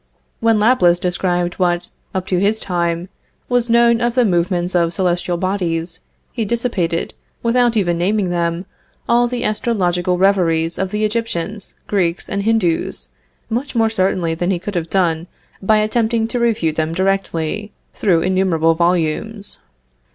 When Laplace described what, up to his time, was known of the movements of celestial bodies, he dissipated, without even naming them, all the astrological reveries of the Egyptians, Greeks, and Hindoos, much more certainly than he could have done by attempting to refute them directly, through innumerable volumes.